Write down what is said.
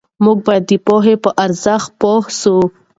موږ باید د پوهې په ارزښت پوه سو.